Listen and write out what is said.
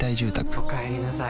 おかえりなさい。